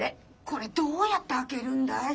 これどうやって開けるんだい？